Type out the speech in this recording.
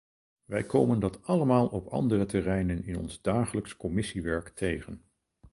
Wij komen dat allemaal op andere terreinen in ons dagelijks commissiewerk tegen.